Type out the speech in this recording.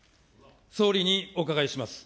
総理にお伺いします。